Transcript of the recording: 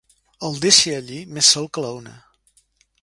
El deixi allí, més sol que la una.